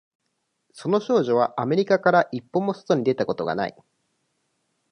その少女はアメリカから一歩も外に出たことがない